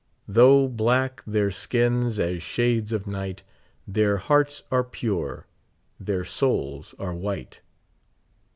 Though black their skins as shades of night, Their hearts are pure, their souls are white.